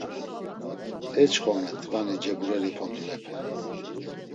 E çxome t̆ǩvani cebureri pontulepe!